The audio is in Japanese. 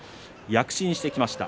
躍進してきました。